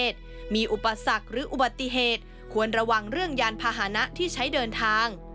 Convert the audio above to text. ที่ใช้เดินทาง